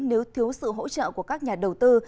nếu thiếu sự hỗ trợ của các nhà đầu tư